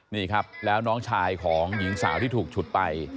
นี่ครับแล้วน้องชายของหญิงสาวที่ถูกฉุดไป